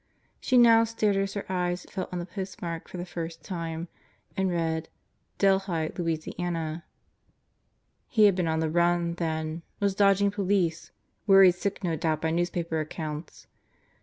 She now stared as her eyes fell on the postmark for the first time and she read "Delhi, Louisiana." He had been on the run, then; was dodging police; worried sick no doubt by newspaper accounts.